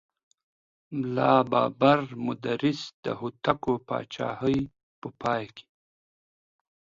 ملا بابړ مدرس د هوتکو پاچاهۍ په پای کې.